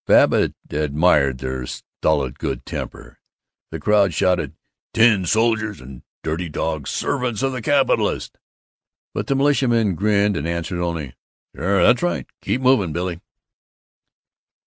Babbitt admired their stolid good temper. The crowd shouted, "Tin soldiers," and "Dirty dogs servants of the capitalists!" but the militiamen grinned and answered only, "Sure, that's right. Keep moving, Billy!"